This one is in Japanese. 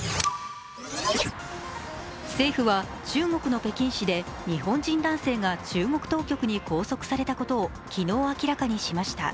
政府は中国の北京市で日本人男性が中国当局に拘束されたことを昨日明らかにしました。